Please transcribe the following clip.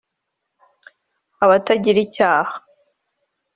abatagira icyaha)